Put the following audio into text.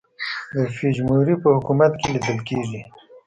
د فوجیموري په حکومت کې لیدل کېږي.